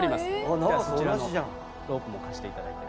じゃあそちらのロープも貸していただいて。